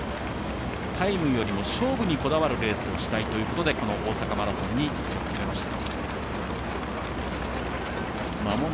タイムよりも勝負にこだわるレースがしたいということでこの大阪マラソンに出場を決めました。